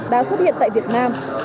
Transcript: đã xuất hiện tại việt nam